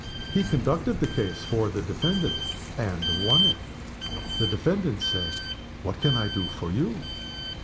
He conducted the case for the defendant and won it. The defendant said, "What can I do for you?"